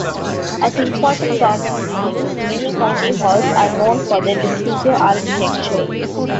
As important government buildings, many county halls are known for their distinctive architecture.